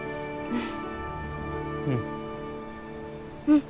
うん。